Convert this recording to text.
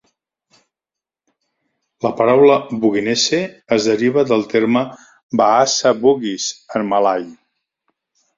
La paraula Buginese es deriva del terme "Bahasa Bugis" en malai.